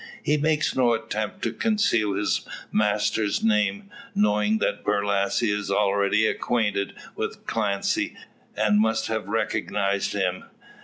He makes no attempt to conceal his master's name, knowing that Borlasse is already acquainted with Clancy, and must have recognised him.